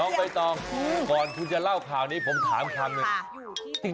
ใบตองก่อนคุณจะเล่าข่าวนี้ผมถามคำหนึ่ง